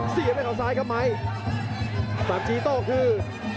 เสียบด้วยเขาซ้ายครับไหมสามจีโต้คือ